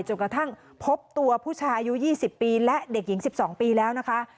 กระทั่งพบตัวผู้ชายอายุ๒๐ปีและเด็กหญิง๑๒ปีแล้วนะคะ